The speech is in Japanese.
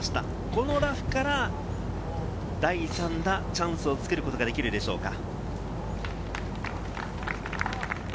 このラフから第３打、チャンスを作ることができるでしょうか？